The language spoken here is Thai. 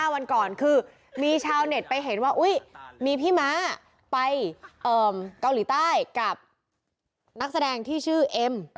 วันก่อนคือมีชาวเน็ตไปเห็นว่ามีพี่ม้าไปเกาหลีใต้กับนักแสดงที่ชื่อเอ็ม